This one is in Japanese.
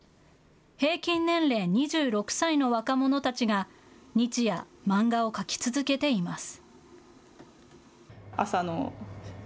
平均年齢２６歳の若者たちが日夜、漫画を描き続けています。